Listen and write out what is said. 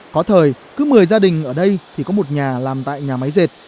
có thời cứ một mươi gia đình ở đây thì có một nhà làm tại nhà máy dệt